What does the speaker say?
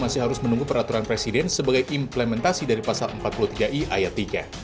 dan juga harus menunggu peraturan presiden sebagai implementasi dari pasal empat puluh tiga i ayat tiga